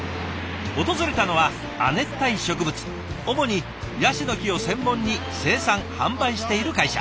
訪れたのは亜熱帯植物主にヤシの木を専門に生産販売している会社。